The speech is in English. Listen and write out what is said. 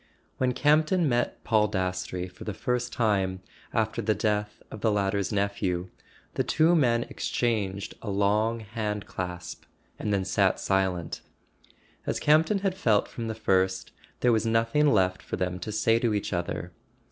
When Campton met Paul Dastrey for the first time after the death of the latter's nephew, the two men exchanged a long hand clasp and then sat silent. As Campton had felt from the first, there was nothing left for them to say to each other.